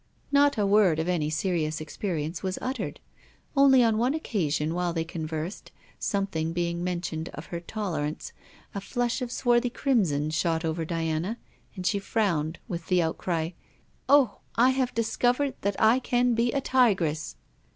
Not a word of any serious experience was uttered. Only on one occasion while they conversed, something being mentioned of her tolerance, a flush of swarthy crimson shot over Diana, and she frowned, with the outcry 'Oh! I have discovered that I can be a tigress!'